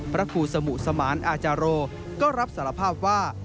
พระครูสมุสมานอาจาโรก็รับสารภาพว่า